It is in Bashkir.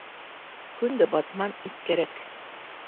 Көн дә батман ит кәрәк.